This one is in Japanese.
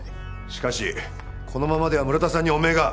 しかしこのままでは村田さんに汚名が。